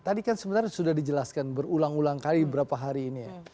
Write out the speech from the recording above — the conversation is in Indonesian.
tadi kan sebenarnya sudah dijelaskan berulang ulang kali beberapa hari ini ya